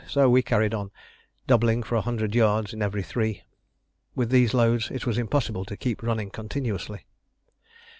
So we carried on, doubling for a hundred yards in every three. With these loads it was impossible to keep running continuously.